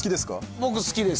僕好きです。